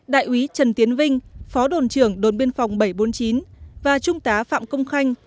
đại úy trần tiến vinh phó đồn trưởng đồn biên phòng bảy trăm bốn mươi chín và trung tá phạm công khanh